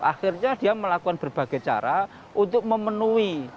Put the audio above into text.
akhirnya dia melakukan berbagai cara untuk memenuhi